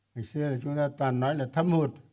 ngày xưa chúng ta toàn nói là thâm hụt